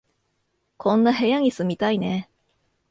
こんな部屋に住みたいね